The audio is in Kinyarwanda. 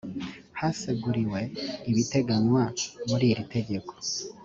haseguriwe ibiteganywa muri iri tegeko